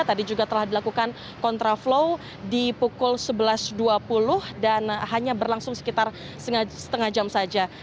tadi juga telah dilakukan kontraflow di pukul sebelas dua puluh dan hanya berlangsung sekitar setengah jam saja